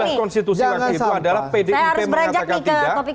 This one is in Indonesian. tidak ada konstitusi waktu itu adalah pdip mengatakan tidak